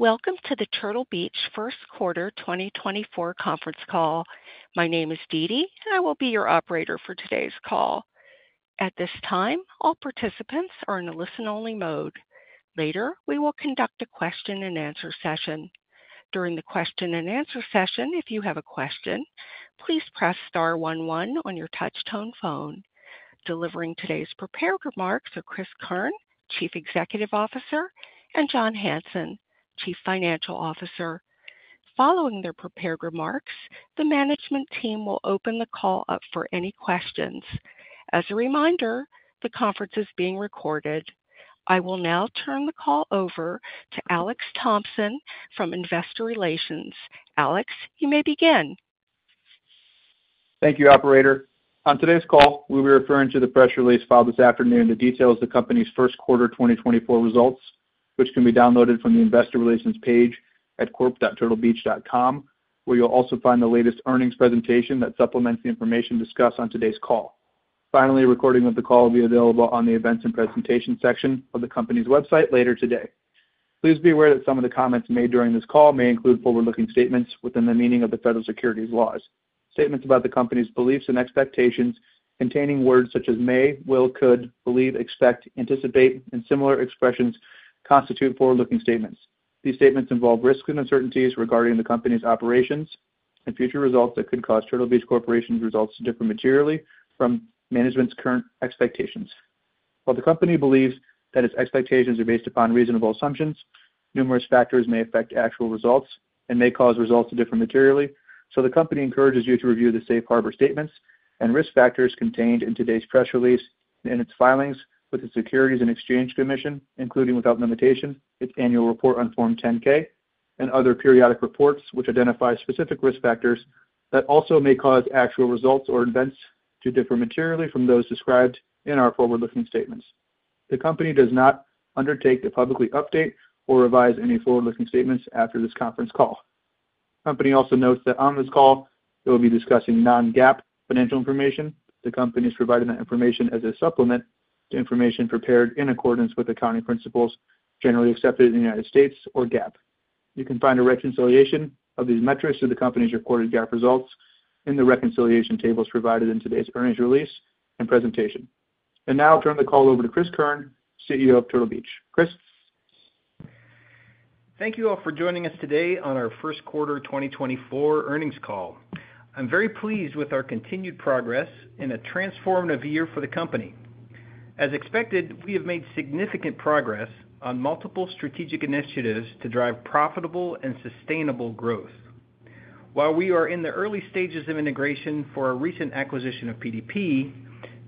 Welcome to the Turtle Beach First Quarter 2024 conference call. My name is Dee Dee, and I will be your operator for today's call. At this time, all participants are in a listen-only mode. Later, we will conduct a question-and-answer session. During the question-and-answer session, if you have a question, please press star 11 on your touch tone phone. Delivering today's prepared remarks are Cris Keirn, Chief Executive Officer, and John Hanson, Chief Financial Officer. Following their prepared remarks, the management team will open the call up for any questions. As a reminder, the conference is being recorded. I will now turn the call over to Alex Thompson from Investor Relations. Alex, you may begin. Thank you, operator. On today's call, we'll be referring to the press release filed this afternoon that details the company's first quarter 2024 results, which can be downloaded from the Investor Relations page at corp.turtlebeach.com, where you'll also find the latest earnings presentation that supplements the information discussed on today's call. Finally, a recording of the call will be available on the events and presentation section of the company's website later today. Please be aware that some of the comments made during this call may include forward-looking statements within the meaning of the federal securities laws. Statements about the company's beliefs and expectations containing words such as may, will, could, believe, expect, anticipate, and similar expressions constitute forward-looking statements. These statements involve risks and uncertainties regarding the company's operations and future results that could cause Turtle Beach Corporation's results to differ materially from management's current expectations. While the company believes that its expectations are based upon reasonable assumptions, numerous factors may affect actual results and may cause results to differ materially, so the company encourages you to review the safe harbor statements and risk factors contained in today's press release and in its filings with the Securities and Exchange Commission, including without limitation, its annual report on Form 10-K, and other periodic reports which identify specific risk factors that also may cause actual results or events to differ materially from those described in our forward-looking statements. The company does not undertake to publicly update or revise any forward-looking statements after this conference call. The company also notes that on this call, it will be discussing non-GAAP financial information. The company is providing that information as a supplement to information prepared in accordance with accounting principles generally accepted in the United States or GAAP. You can find a reconciliation of these metrics of the company's reported GAAP results in the reconciliation tables provided in today's earnings release and presentation. And now I'll turn the call over to Cris Keirn, CEO of Turtle Beach. Cris? Thank you all for joining us today on our first quarter 2024 earnings call. I'm very pleased with our continued progress in a transformative year for the company. As expected, we have made significant progress on multiple strategic initiatives to drive profitable and sustainable growth. While we are in the early stages of integration for our recent acquisition of PDP,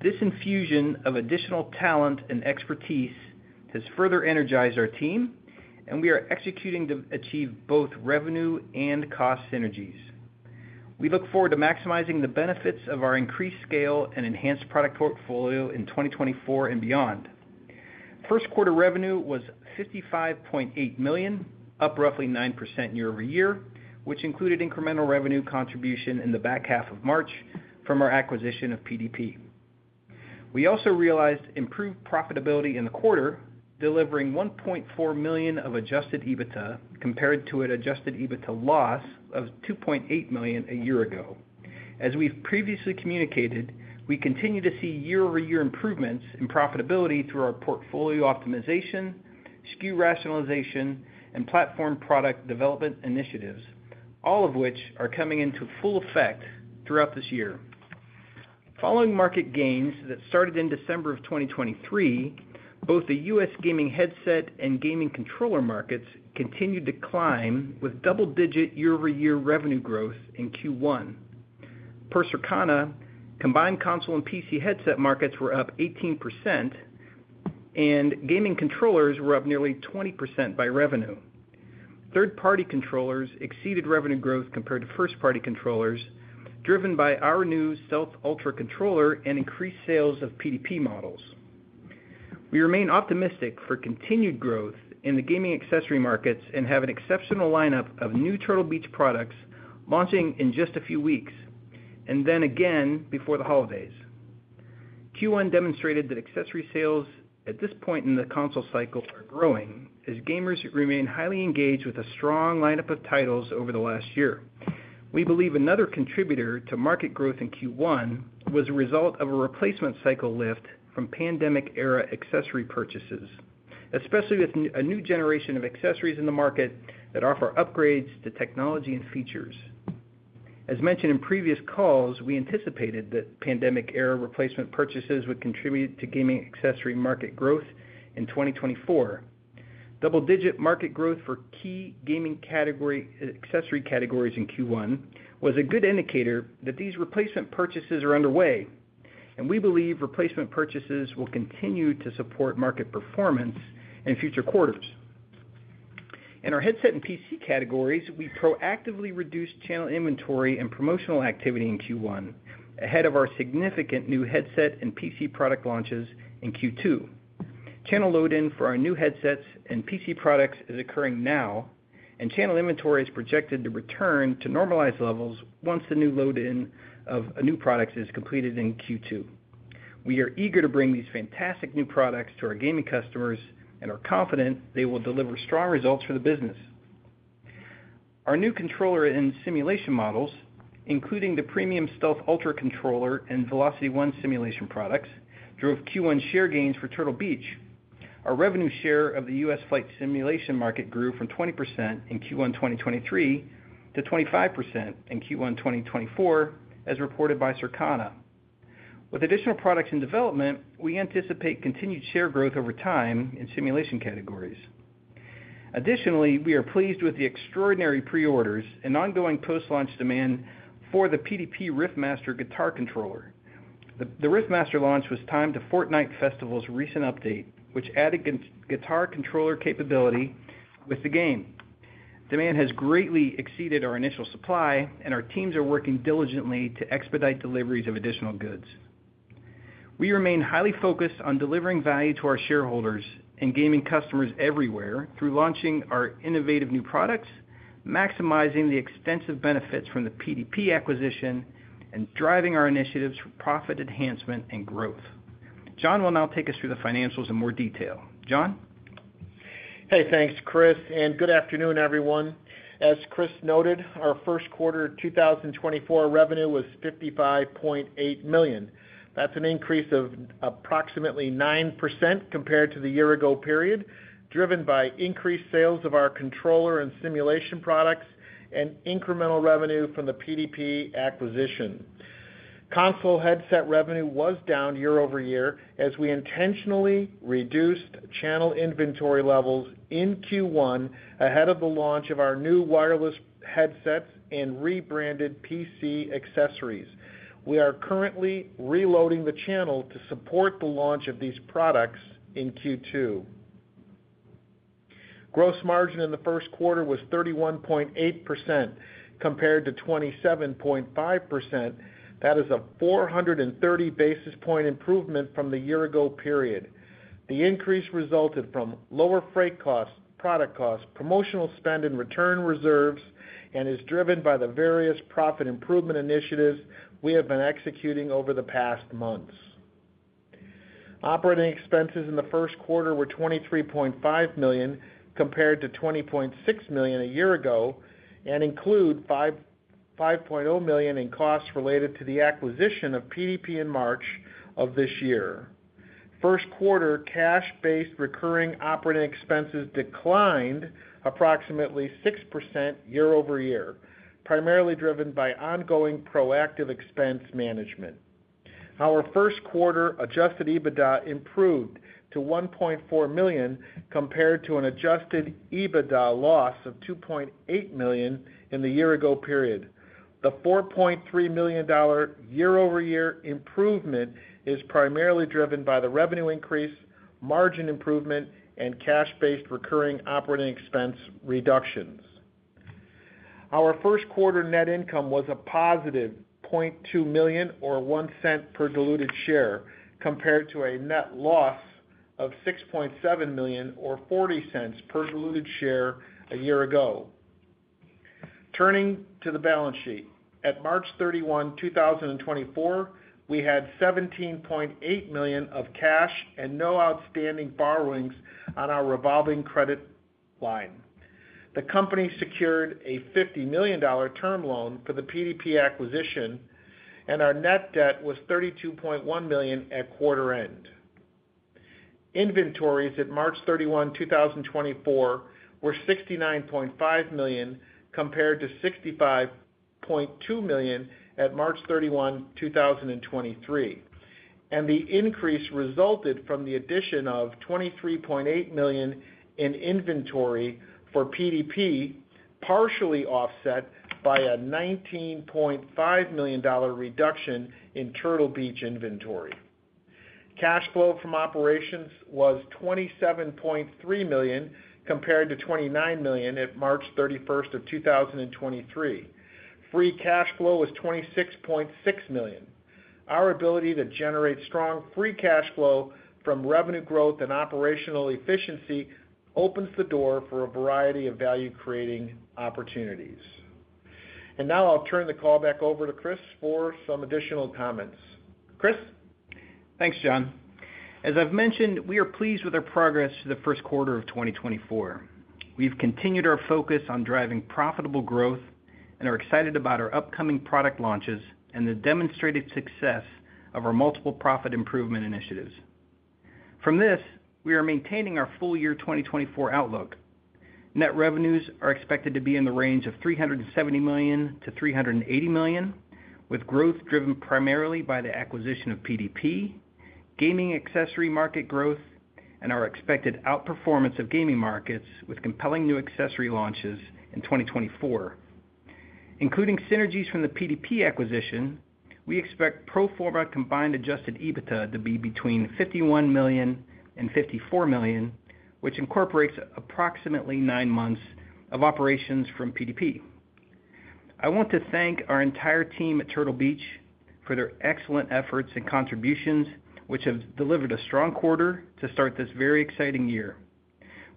this infusion of additional talent and expertise has further energized our team, and we are executing to achieve both revenue and cost synergies. We look forward to maximizing the benefits of our increased scale and enhanced product portfolio in 2024 and beyond. First quarter revenue was $55.8 million, up roughly 9% year-over-year, which included incremental revenue contribution in the back half of March from our acquisition of PDP. We also realized improved profitability in the quarter, delivering $1.4 million of Adjusted EBITDA compared to an Adjusted EBITDA loss of $2.8 million a year ago. As we've previously communicated, we continue to see year-over-year improvements in profitability through our portfolio optimization, SKU rationalization, and platform product development initiatives, all of which are coming into full effect throughout this year. Following market gains that started in December of 2023, both the U.S. gaming headset and gaming controller markets continued to climb with double-digit year-over-year revenue growth in Q1. Circana, combined console and PC headset markets were up 18%, and gaming controllers were up nearly 20% by revenue. Third-party controllers exceeded revenue growth compared to first-party controllers, driven by our new Stealth Ultra controller and increased sales of PDP models. We remain optimistic for continued growth in the gaming accessory markets and have an exceptional lineup of new Turtle Beach products launching in just a few weeks and then again before the holidays. Q1 demonstrated that accessory sales at this point in the console cycle are growing as gamers remain highly engaged with a strong lineup of titles over the last year. We believe another contributor to market growth in Q1 was a result of a replacement cycle lift from pandemic-era accessory purchases, especially with a new generation of accessories in the market that offer upgrades to technology and features. As mentioned in previous calls, we anticipated that pandemic-era replacement purchases would contribute to gaming accessory market growth in 2024. Double-digit market growth for key gaming accessory categories in Q1 was a good indicator that these replacement purchases are underway, and we believe replacement purchases will continue to support market performance in future quarters. In our headset and PC categories, we proactively reduced channel inventory and promotional activity in Q1 ahead of our significant new headset and PC product launches in Q2. Channel load-in for our new headsets and PC products is occurring now, and channel inventory is projected to return to normalized levels once the new load-in of new products is completed in Q2. We are eager to bring these fantastic new products to our gaming customers, and we're confident they will deliver strong results for the business. Our new controller and simulation models, including the premium Stealth Ultra controller and VelocityOne simulation products, drove Q1 share gains for Turtle Beach. Our revenue share of the US flight simulation market grew from 20% in Q1 2023 to 25% in Q1 2024, as reported by Circana. With additional products in development, we anticipate continued share growth over time in simulation categories. Additionally, we are pleased with the extraordinary preorders and ongoing post-launch demand for the PDP Riffmaster guitar controller. The Riffmaster launch was timed to Fortnite Festival's recent update, which added guitar controller capability with the game. Demand has greatly exceeded our initial supply, and our teams are working diligently to expedite deliveries of additional goods. We remain highly focused on delivering value to our shareholders and gaming customers everywhere through launching our innovative new products, maximizing the extensive benefits from the PDP acquisition, and driving our initiatives for profit enhancement and growth. John will now take us through the financials in more detail. John? Hey, thanks, Cris, and good afternoon, everyone. As Cris noted, our first quarter 2024 revenue was $55.8 million. That's an increase of approximately 9% compared to the year-ago period, driven by increased sales of our controller and simulation products and incremental revenue from the PDP acquisition. Console headset revenue was down year-over-year as we intentionally reduced channel inventory levels in Q1 ahead of the launch of our new wireless headsets and rebranded PC accessories. We are currently reloading the channel to support the launch of these products in Q2. Gross margin in the first quarter was 31.8% compared to 27.5%. That is a 430 basis point improvement from the year-ago period. The increase resulted from lower freight costs, product costs, promotional spend, and return reserves and is driven by the various profit improvement initiatives we have been executing over the past months. Operating expenses in the first quarter were $23.5 million compared to $20.6 million a year ago and include $5.0 million in costs related to the acquisition of PDP in March of this year. First quarter cash-based recurring operating expenses declined approximately 6% year-over-year, primarily driven by ongoing proactive expense management. Our first quarter Adjusted EBITDA improved to $1.4 million compared to an Adjusted EBITDA loss of $2.8 million in the year-ago period. The $4.3 million year-over-year improvement is primarily driven by the revenue increase, margin improvement, and cash-based recurring operating expense reductions. Our first quarter net income was a positive $0.2 million or 1 cent per diluted share compared to a net loss of $6.7 million or 40 cents per diluted share a year ago. Turning to the balance sheet, at March 31, 2024, we had $17.8 million of cash and no outstanding borrowings on our revolving credit line. The company secured a $50 million term loan for the PDP acquisition, and our net debt was $32.1 million at quarter end. Inventories at March 31, 2024, were $69.5 million compared to $65.2 million at March 31, 2023, and the increase resulted from the addition of $23.8 million in inventory for PDP, partially offset by a $19.5 million reduction in Turtle Beach inventory. Cash flow from operations was $27.3 million compared to $29 million at March 31, 2023. Free cash flow was $26.6 million. Our ability to generate strong free cash flow from revenue growth and operational efficiency opens the door for a variety of value-creating opportunities. Now I'll turn the call back over to Cris for some additional comments. Cris? Thanks, John. As I've mentioned, we are pleased with our progress for the first quarter of 2024. We've continued our focus on driving profitable growth and are excited about our upcoming product launches and the demonstrated success of our multiple profit improvement initiatives. From this, we are maintaining our full year 2024 outlook. Net revenues are expected to be in the range of $370 million-$380 million, with growth driven primarily by the acquisition of PDP, gaming accessory market growth, and our expected outperformance of gaming markets with compelling new accessory launches in 2024. Including synergies from the PDP acquisition, we expect pro forma combined adjusted EBITDA to be between $51 million-$54 million, which incorporates approximately nine months of operations from PDP. I want to thank our entire team at Turtle Beach for their excellent efforts and contributions, which have delivered a strong quarter to start this very exciting year.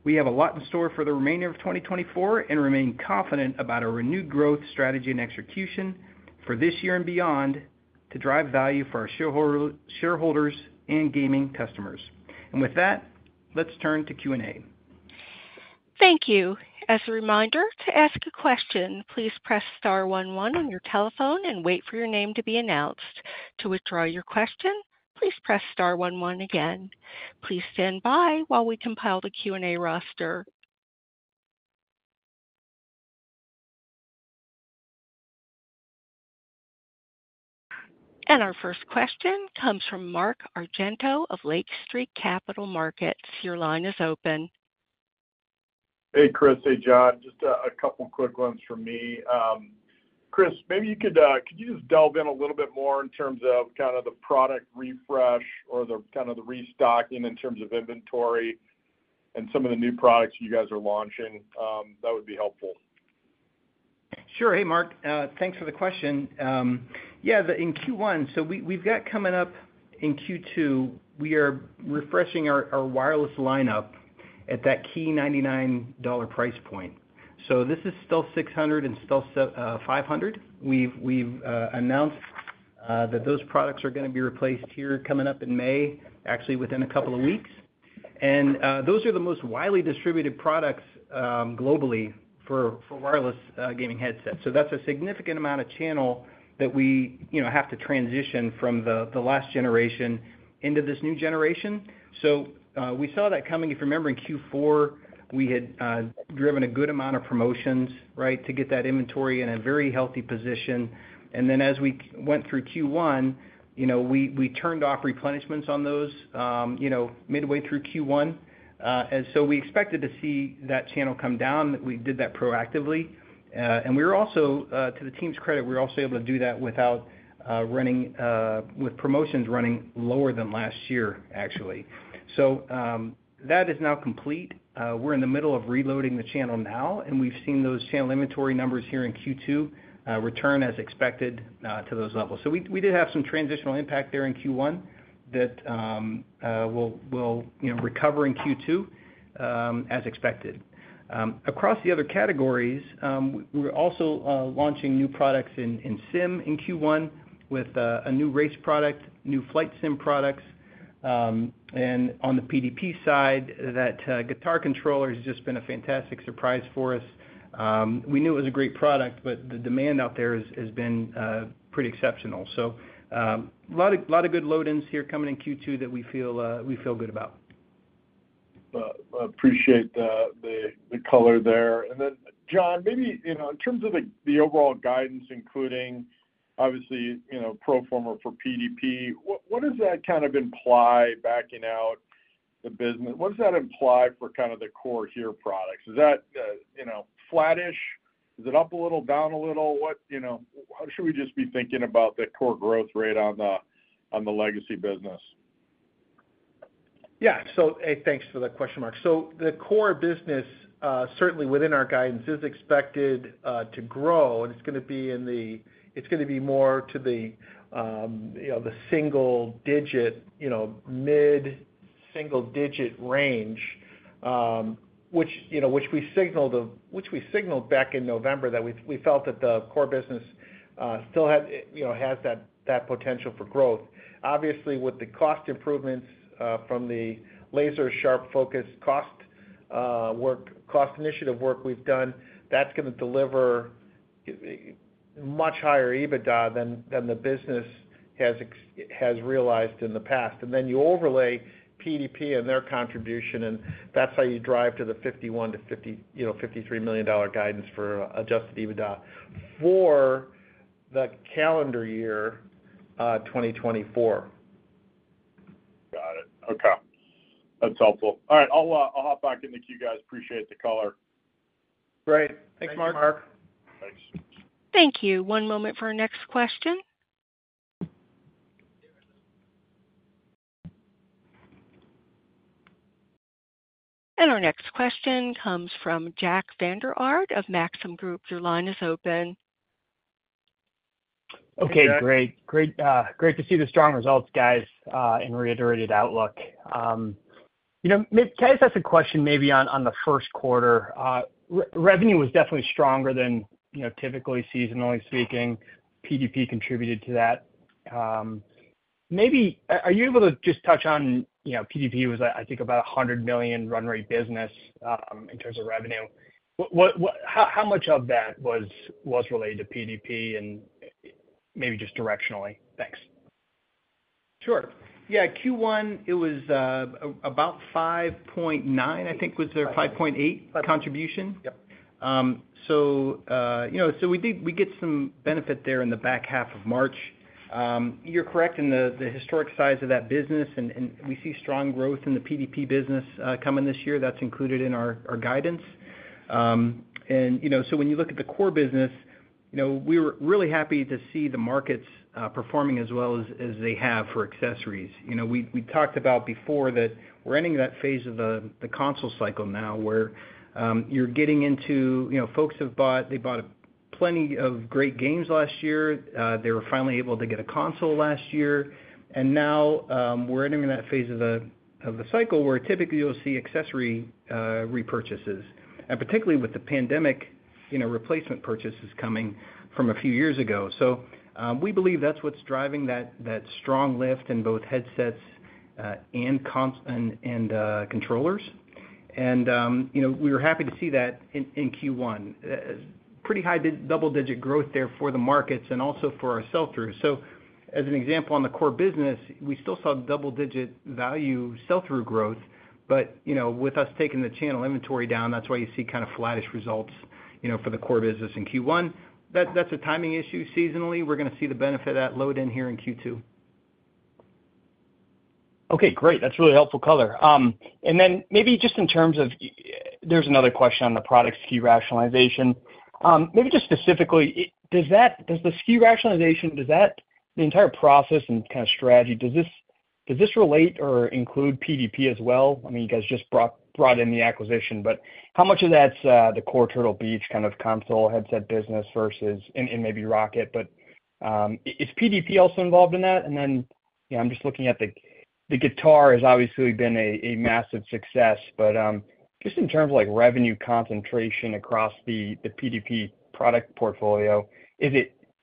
We have a lot in store for the remainder of 2024 and remain confident about our renewed growth strategy and execution for this year and beyond to drive value for our shareholders and gaming customers. With that, let's turn to Q&A. Thank you. As a reminder, to ask a question, please press star 11 on your telephone and wait for your name to be announced. To withdraw your question, please press star 11 again. Please stand by while we compile the Q&A roster. And our first question comes from Mark Argento of Lake Street Capital Markets. Your line is open. Hey, Cris. Hey, John. Just a couple quick ones from me. Cris, maybe you could you just delve in a little bit more in terms of kind of the product refresh or kind of the restocking in terms of inventory and some of the new products you guys are launching? That would be helpful. Sure. Hey, Mark. Thanks for the question. Yeah, in Q1, so we've got coming up in Q2, we are refreshing our wireless lineup at that key $99 price point. So this is Stealth 600 and Stealth 500. We've announced that those products are going to be replaced here coming up in May, actually within a couple of weeks. And those are the most widely distributed products globally for wireless gaming headsets. So that's a significant amount of channel that we have to transition from the last generation into this new generation. So we saw that coming. If you remember, in Q4, we had driven a good amount of promotions, right, to get that inventory in a very healthy position. And then as we went through Q1, we turned off replenishments on those midway through Q1. And so we expected to see that channel come down. We did that proactively. To the team's credit, we were also able to do that without running with promotions running lower than last year, actually. That is now complete. We're in the middle of reloading the channel now, and we've seen those channel inventory numbers here in Q2 return as expected to those levels. We did have some transitional impact there in Q1 that we'll recover in Q2 as expected. Across the other categories, we're also launching new products in sim in Q1 with a new Race product, new Flight sim products. On the PDP side, that guitar controller has just been a fantastic surprise for us. We knew it was a great product, but the demand out there has been pretty exceptional. A lot of good load-ins here coming in Q2 that we feel good about. I appreciate the color there. And then, John, maybe in terms of the overall guidance, including obviously pro forma for PDP, what does that kind of imply backing out the business? What does that imply for kind of the core HEAR products? Is that flat-ish? Is it up a little, down a little? How should we just be thinking about the core growth rate on the legacy business? Yeah. So thanks for the question, Mark. So the core business, certainly within our guidance, is expected to grow, and it's going to be in the, it's going to be more to the single-digit, mid-single-digit range, which we signaled back in November that we felt that the core business still has that potential for growth. Obviously, with the cost improvements from the laser-sharp focused cost initiative work we've done, that's going to deliver much higher EBITDA than the business has realized in the past. And then you overlay PDP and their contribution, and that's how you drive to the $51 million-$53 million guidance for Adjusted EBITDA for the calendar year 2024. Got it. Okay. That's helpful. All right. I'll hop back in to cue you guys. Appreciate the color. Great. Thanks, Mark. Thanks, Mark. Thanks. Thank you. One moment for our next question. Our next question comes from Jack Vander Aarde of Maxim Group. Your line is open. Okay. Great. Great to see the strong results, guys, and reiterated outlook. Can I just ask a question maybe on the first quarter? Revenue was definitely stronger than typically, seasonally speaking. PDP contributed to that. Are you able to just touch on PDP? It was, I think, about $100 million run rate business in terms of revenue. How much of that was related to PDP and maybe just directionally? Thanks. Sure. Yeah. Q1, it was about $5.9, I think, was there a $5.8 contribution? Yep. So we did get some benefit there in the back half of March. You're correct in the historic size of that business, and we see strong growth in the PDP business coming this year. That's included in our guidance. And so when you look at the core business, we were really happy to see the markets performing as well as they have for accessories. We talked about before that we're entering that phase of the console cycle now where you're getting into folks have bought they bought plenty of great games last year. They were finally able to get a console last year. And now we're entering that phase of the cycle where typically you'll see accessory repurchases, and particularly with the pandemic, replacement purchases coming from a few years ago. So we believe that's what's driving that strong lift in both headsets and controllers. We were happy to see that in Q1, pretty high double-digit growth there for the markets and also for our sell-through. So as an example, on the core business, we still saw double-digit value sell-through growth. But with us taking the channel inventory down, that's why you see kind of flat-ish results for the core business in Q1. That's a timing issue. Seasonally, we're going to see the benefit of that load in here in Q2. Okay. Great. That's really helpful color. And then maybe just in terms of there's another question on the product SKU rationalization. Maybe just specifically, does the SKU rationalization does that the entire process and kind of strategy, does this relate or include PDP as well? I mean, you guys just brought in the acquisition, but how much of that's the core Turtle Beach kind of console headset business versus and maybe ROCCAT? But is PDP also involved in that? And then I'm just looking at the guitar has obviously been a massive success. But just in terms of revenue concentration across the PDP product portfolio, is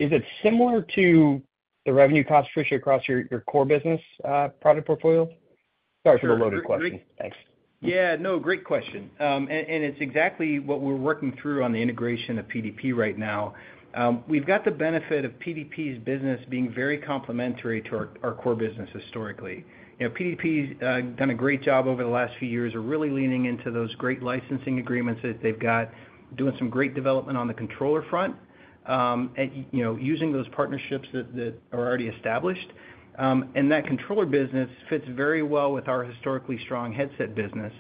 it similar to the revenue concentration across your core business product portfolio? Sorry for the loaded question. Thanks. Yeah. No, great question. And it's exactly what we're working through on the integration of PDP right now. We've got the benefit of PDP's business being very complementary to our core business historically. PDP's done a great job over the last few years, are really leaning into those great licensing agreements that they've got, doing some great development on the controller front, using those partnerships that are already established. And that controller business fits very well with our historically strong headset business.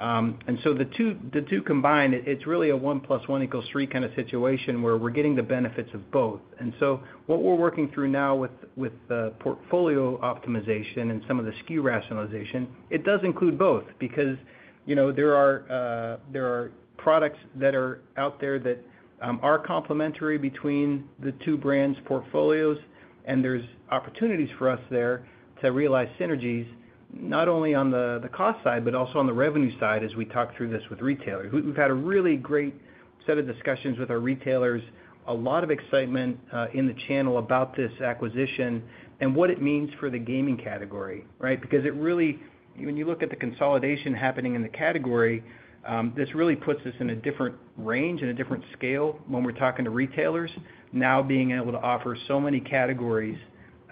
The two combined, it's really a one plus one equals three kind of situation where we're getting the benefits of both. What we're working through now with the portfolio optimization and some of the SKU rationalization, it does include both because there are products that are out there that are complementary between the two brands' portfolios, and there's opportunities for us there to realize synergies not only on the cost side but also on the revenue side as we talk through this with retailers. We've had a really great set of discussions with our retailers, a lot of excitement in the channel about this acquisition and what it means for the gaming category, right? Because when you look at the consolidation happening in the category, this really puts us in a different range, in a different scale when we're talking to retailers, now being able to offer so many categories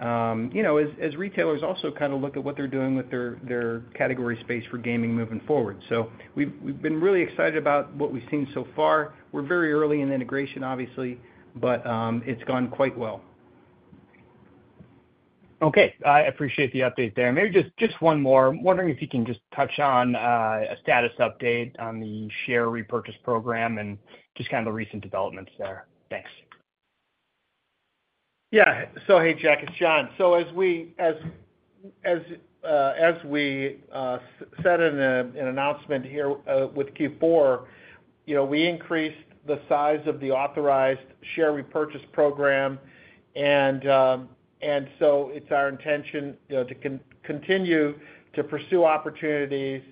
as retailers also kind of look at what they're doing with their category space for gaming moving forward. So we've been really excited about what we've seen so far. We're very early in the integration, obviously, but it's gone quite well. Okay. I appreciate the update there. Maybe just one more. I'm wondering if you can just touch on a status update on the share repurchase program and just kind of the recent developments there. Thanks. Yeah. So hey, Jack. It's John. So as we said in an announcement here with Q4, we increased the size of the authorized share repurchase program. And so it's our intention to continue to pursue opportunities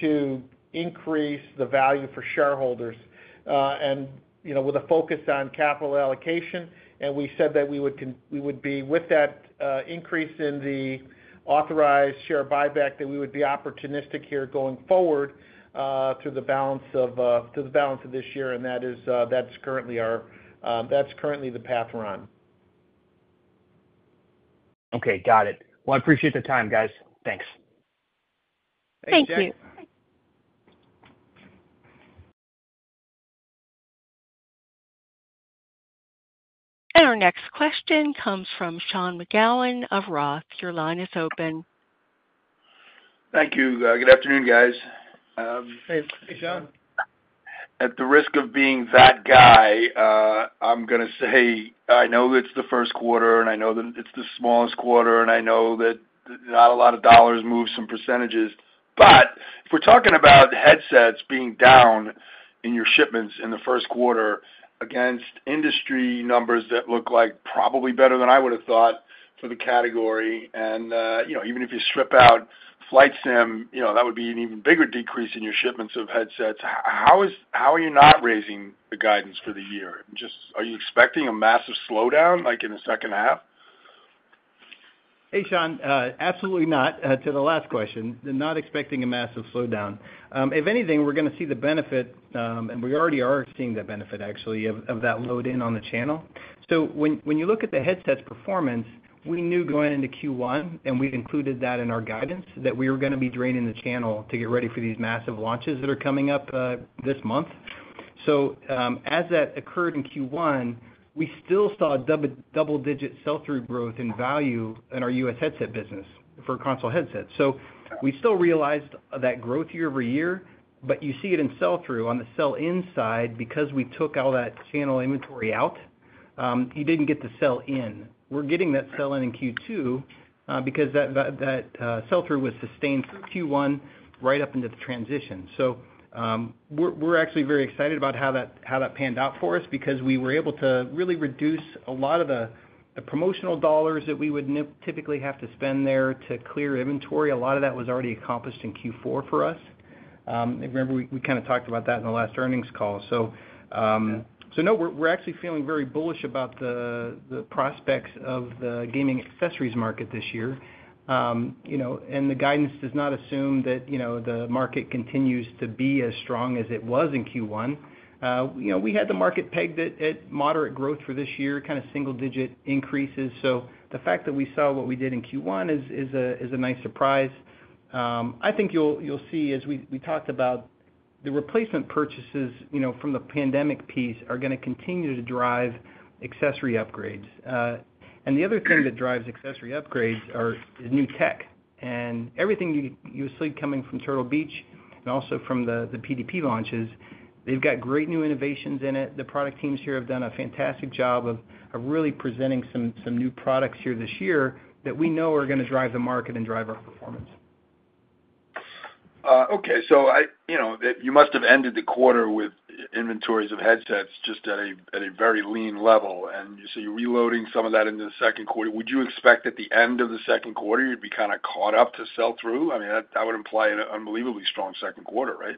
to increase the value for shareholders with a focus on capital allocation. And we said that we would be with that increase in the authorized share buyback that we would be opportunistic here going forward through the balance of this year. And that's currently the path we're on. Okay. Got it. Well, I appreciate the time, guys. Thanks. Thank you. And our next question comes from Sean McGowan of Roth. Your line is open. Thank you. Good afternoon, guys. Hey, Sean. At the risk of being that guy, I'm going to say I know it's the first quarter, and I know that it's the smallest quarter, and I know that not a lot of dollars move some percentages. But if we're talking about headsets being down in your shipments in the first quarter against industry numbers that look like probably better than I would have thought for the category, and even if you strip out flight sim, that would be an even bigger decrease in your shipments of headsets, how are you not raising the guidance for the year? Are you expecting a massive slowdown in the second half? Hey, Sean. Absolutely not to the last question, not expecting a massive slowdown. If anything, we're going to see the benefit, and we already are seeing that benefit, actually, of that load-in on the channel. So when you look at the headsets performance, we knew going into Q1, and we included that in our guidance, that we were going to be draining the channel to get ready for these massive launches that are coming up this month. So as that occurred in Q1, we still saw double-digit sell-through growth in value in our U.S. headset business for console headsets. So we still realized that growth year-over-year, but you see it in sell-through on the sell-in side because we took all that channel inventory out. You didn't get the sell-in. We're getting that sell-in in Q2 because that sell-through was sustained through Q1 right up into the transition. So we're actually very excited about how that panned out for us because we were able to really reduce a lot of the promotional dollars that we would typically have to spend there to clear inventory. A lot of that was already accomplished in Q4 for us. I remember we kind of talked about that in the last earnings call. So no, we're actually feeling very bullish about the prospects of the gaming accessories market this year. And the guidance does not assume that the market continues to be as strong as it was in Q1. We had the market pegged at moderate growth for this year, kind of single-digit increases. So the fact that we saw what we did in Q1 is a nice surprise. I think you'll see, as we talked about, the replacement purchases from the pandemic piece are going to continue to drive accessory upgrades. The other thing that drives accessory upgrades is new tech. Everything you see coming from Turtle Beach and also from the PDP launches, they've got great new innovations in it. The product teams here have done a fantastic job of really presenting some new products here this year that we know are going to drive the market and drive our performance. Okay. You must have ended the quarter with inventories of headsets just at a very lean level. So you're reloading some of that into the second quarter. Would you expect at the end of the second quarter, you'd be kind of caught up to sell through? I mean, that would imply an unbelievably strong second quarter, right?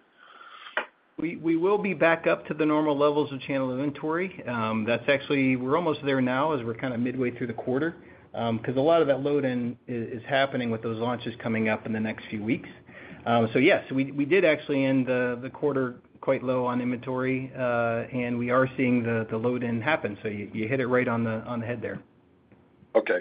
We will be back up to the normal levels of channel inventory. We're almost there now as we're kind of midway through the quarter because a lot of that load-in is happening with those launches coming up in the next few weeks. So yes, we did actually end the quarter quite low on inventory, and we are seeing the load-in happen. So you hit it right on the head there. Okay.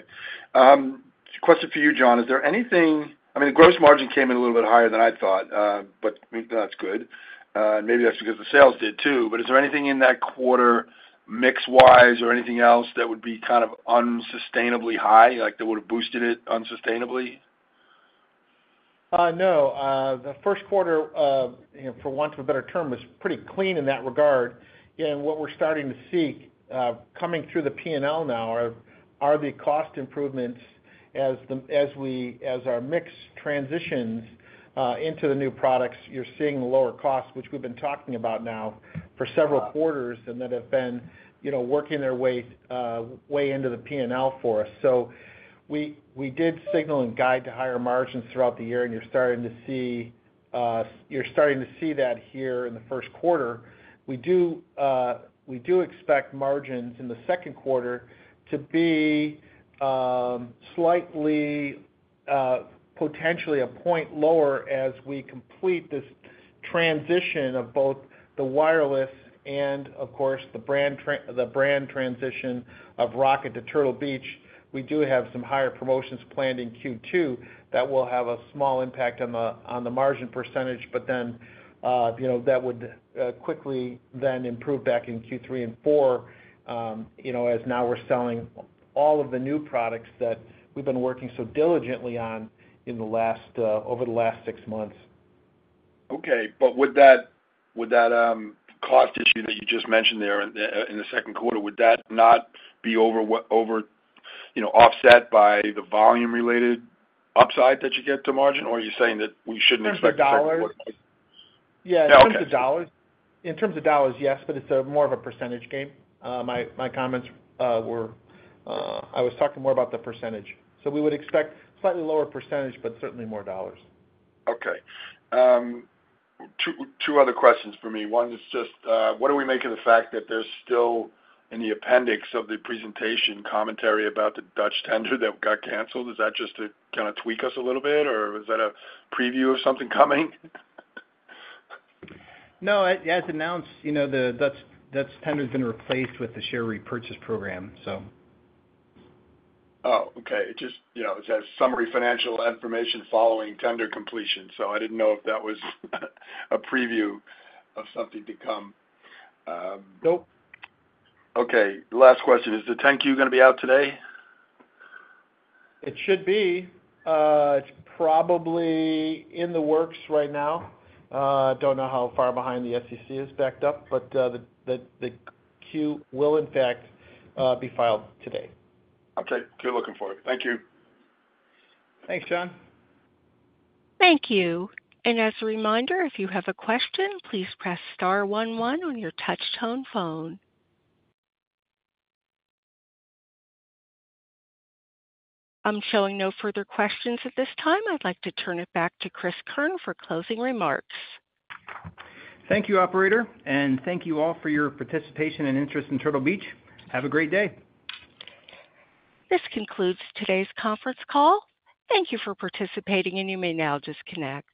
Question for you, John. Is there anything? I mean, the gross margin came in a little bit higher than I thought, but that's good. Maybe that's because the sales did too. But is there anything in that quarter, mix-wise, or anything else that would be kind of unsustainably high that would have boosted it unsustainably? No. The first quarter, for want of a better term, was pretty clean in that regard. And what we're starting to see coming through the P&L now are the cost improvements as our mix transitions into the new products. You're seeing lower costs, which we've been talking about now for several quarters, and that have been working their way into the P&L for us. So we did signal and guide to higher margins throughout the year, and you're starting to see you're starting to see that here in the first quarter. We do expect margins in the second quarter to be slightly, potentially, a point lower as we complete this transition of both the wireless and, of course, the brand transition of ROCCAT to Turtle Beach. We do have some higher promotions planned in Q2 that will have a small impact on the margin percentage, but then that would quickly then improve back in Q3 and Q4 as now we're selling all of the new products that we've been working so diligently on over the last six months. Okay. But would that cost issue that you just mentioned there in the second quarter, would that not be offset by the volume-related upside that you get to margin, or are you saying that we shouldn't expect to sell more? In terms of dollars? Yeah. In terms of dollars? In terms of dollars, yes, but it's more of a percentage game. My comments were I was talking more about the percentage. So we would expect slightly lower percentage, but certainly more dollars. Okay. Two other questions for me. One is just, what do we make of the fact that there's still in the appendix of the presentation commentary about the Dutch Tender that got canceled? Is that just to kind of tweak us a little bit, or is that a preview of something coming? No. Yeah. As announced, the Dutch tender has been replaced with the share repurchase program, so. Oh. Okay. It just has summary financial information following tender completion. I didn't know if that was a preview of something to come. Nope. Okay. Last question. Is the 10-Q going to be out today? It should be. It's probably in the works right now. Don't know how far behind the SEC is backed up, but the Q will, in fact, be filed today. Okay. Good looking for it. Thank you. Thanks, Sean. Thank you. As a reminder, if you have a question, please press star 11 on your touch-tone phone. I'm showing no further questions at this time. I'd like to turn it back to Cris Keirn for closing remarks. Thank you, operator. Thank you all for your participation and interest in Turtle Beach. Have a great day. This concludes today's conference call. Thank you for participating, and you may now disconnect.